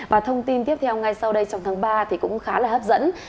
và thông tin tiếp theo ngay sau đây trong tháng ba thì cũng khá là hấp dẫn